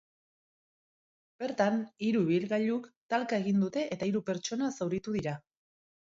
Bertan, hiru ibilgailuk talka egin dute eta hiru pertsona zauritu dira.